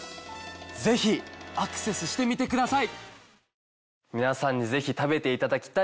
ぜひアクセスしてみてください！